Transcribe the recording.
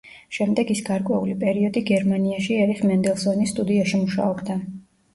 შემდეგ ის გარკვეული პერიოდი გერმანიაში ერიხ მენდელსონის სტუდიაში მუშაობდა.